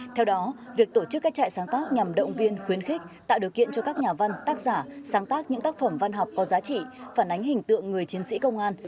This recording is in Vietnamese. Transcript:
theo đó việc tổ chức các trại sáng tác nhằm động viên khuyến khích tạo điều kiện cho các nhà văn tác giả sáng tác những tác phẩm văn học có giá trị phản ánh hình tượng người chiến sĩ công an